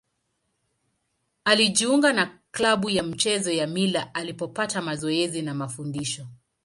Alijiunga na klabu ya michezo ya Mila alipopata mazoezi na mafundisho.